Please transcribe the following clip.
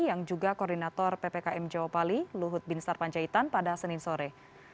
yang juga koordinator ppkm jawa pali luhut bin star panjaitan pada senin sore